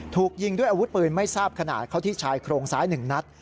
ถูกยิงด้วยอาวุธปืนไม่ทราบขนาดเข้าที่ชายโครงซ้าย๑นัด